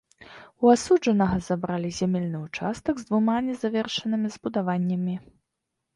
У асуджанага забралі зямельны ўчастак з двума незавершанымі збудаваннямі.